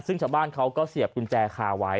ซึ่งชาวบ้านเขาก็เสียบกุญแจคาไว้